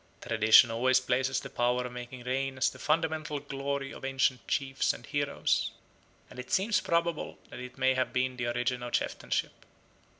Tradition always places the power of making rain as the fundamental glory of ancient chiefs and heroes, and it seems probable that it may have been the origin of chieftainship.